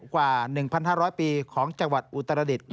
กว่า๑๕๐๐ปีของจังหวัดอุตรดิษฐ์